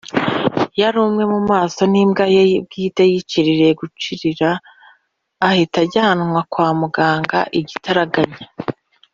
yarumwe mu maso n'imbwa ye bwite yiciririye(guciriira) ahita ajyanwa kwa muganga igitaraganya